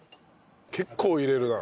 結構入れるな。